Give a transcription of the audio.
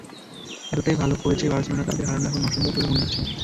এতটাই ভালো করছে বার্সেলোনা, তাদের হারানো এখন অসম্ভব বলেই মনে হচ্ছে।